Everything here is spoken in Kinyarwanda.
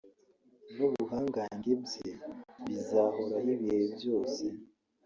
n’ubuhangange bye bizahoraho ibihe byose